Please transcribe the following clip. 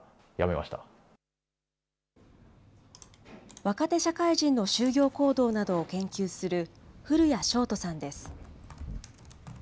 若手社会人の就業行動などを研究する古屋星斗さんです。